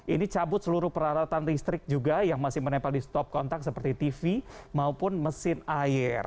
ini cabut seluruh peralatan listrik juga yang masih menempel di stop kontak seperti tv maupun mesin air